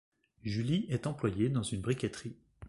Juli est employée dans une briqueterie.